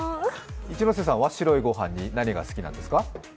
一ノ瀬さんは白いご飯に何が好きなんですか？